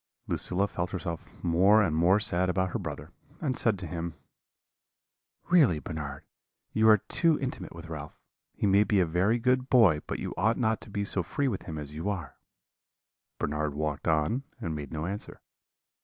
"Lucilla felt herself more and more sad about her brother, and said to him: "'Really, Bernard, you are too intimate with Ralph; he may be a very good boy, but you ought not to be so free with him as you are.' "Bernard walked on, and made no answer.